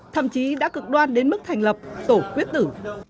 thậm chí đã cực đoan đến mức thành lập tổ quyết tử